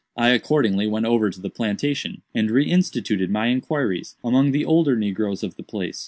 I accordingly went over to the plantation, and re instituted my inquiries among the older negroes of the place.